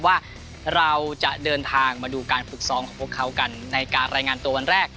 ว่าเราจะเดินทางมาดูการฝึกซ้อมของพวกเขากันในการรายงานตัววันแรก